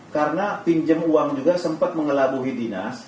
karena pinjam uang juga sempat mengelabuhi dinas